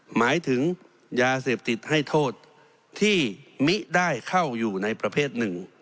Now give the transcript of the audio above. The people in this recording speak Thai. หมายถึงยาเสพติดให้โทษที่มิได้เข้าอยู่ในประเภทหนึ่ง